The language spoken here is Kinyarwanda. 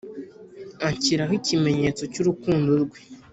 anshyiraho ikimenyetso cy’urukundo rwe.